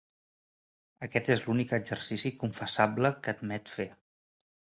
Aquest és l'únic exercici confessable que admet fer.